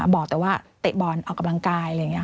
บอกแต่ว่าเตะบอลออกกำลังกาย